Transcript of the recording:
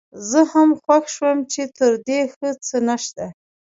زه هم خوښ شوم چې تر دې ښه څه نشته.